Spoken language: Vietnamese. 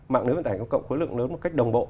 mạng nếu vận hành cộng khối lượng lớn một cách đồng bộ